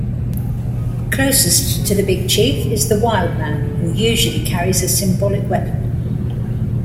Closest to the "Big Chief" is the "Wildman" who usually carries a symbolic weapon.